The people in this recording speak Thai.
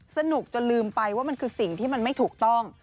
สนุกจนลืมไปว่ามันคือสิ่งที่มันไม่ถูกต้อง